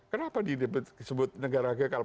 kenapa disebut negara gagal